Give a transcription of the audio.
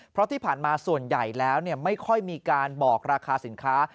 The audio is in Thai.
เพราะที่ผ่านมาส่วนใหญ่แล้วไม่ค่อยมีการบอกราคาสินค้า